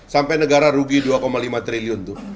sampai negara rugi dua lima triliun tuh